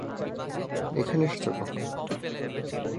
এখানে এসেছ কখন?